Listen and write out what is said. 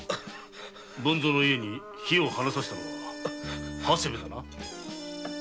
文造の家に火を放させたのは長谷部だな。